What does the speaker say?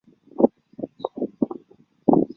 鱼体和头部遍布许多红斑点。